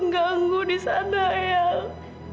kamu di sana yang